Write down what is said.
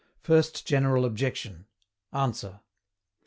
FIRST GENERAL OBJECTION. ANSWER.